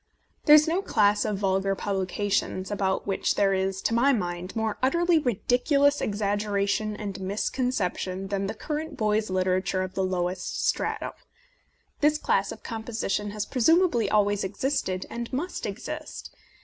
There is no class of vulgar publications about which there is, to my mind, more utterly ridicu lous exaggeration and misconception than the current boys' literature of the lowest stratum. This class of composition has presumably always existed, and must exist.